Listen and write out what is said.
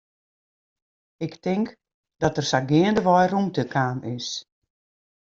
Ik tink dat der sa geandewei rûmte kaam is.